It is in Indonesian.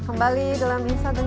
kembali dalam insight